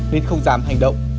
nên không dám hành động